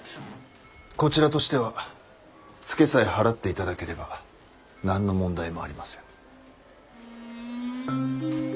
こちらとしてはツケさえ払って頂ければ何の問題もありません。